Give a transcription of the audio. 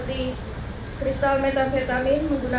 tindak pedana umum